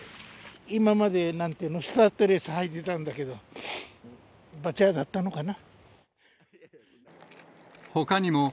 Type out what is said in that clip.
今までなんていうの、スタッドレスはいてたんだけど、罰当たったのかな。